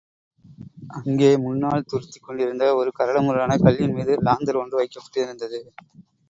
அங்கே முன்னால் துறுத்திக்கொண்டிருந்த ஒரு கரடுமுரடான கல்லின் மீது லாந்தர் ஒன்று வைக்கப்பட்டிருந்தது.